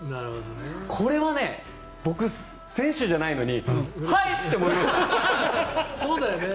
これは僕、選手じゃないのにはい！って思いました。